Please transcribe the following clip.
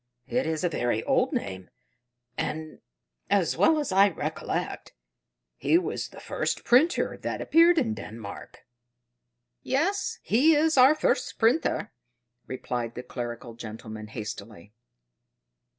"It is a very old name, and, as well as I recollect, he was the first printer that appeared in Denmark." "Yes, he is our first printer," replied the clerical gentleman hastily.